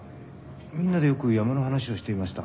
みんなでよく山の話をしていました。